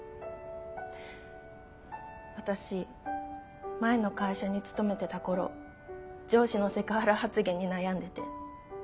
私前の会社に勤めてた頃上司のセクハラ発言に悩んでて。